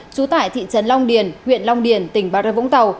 trú tại thị trấn long điền huyện long điền tỉnh bà rê vũng tàu